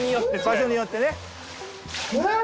「場所によってね」